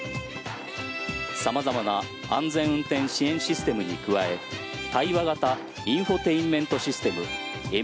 様々な安全運転支援システムに加え対話型インフォテインメントシステム